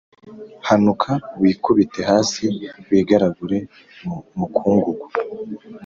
hanuka wikubite hasi, wigaragure mu mukungugu,